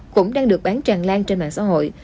cũng đang được bán tràn lan trên mạng xã hội